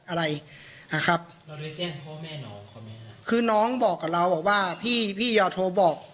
ครับเราเลยแจ้งพ่อแม่น้องความนี้นะครับคือน้องบอกกับเราว่าพี่พี่ยาโทบอก